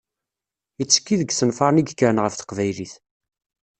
Yettekki deg yisenfaren i yekkren ɣef Teqbaylit.